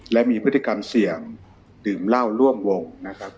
และมีพฤติกรรมเสี่ยงดื่มเหล้าร่วมวงนะครับ